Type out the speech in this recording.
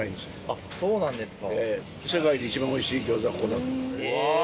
あっそうなんですね。